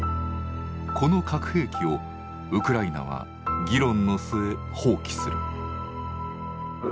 この核兵器をウクライナは議論の末放棄する。